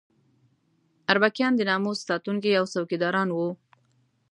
اربکیان د ناموس ساتونکي او څوکیداران وو.